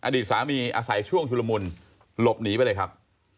อดีตสามีอาศัยช่วงชุลมุนหลบหนีไปเลยครับ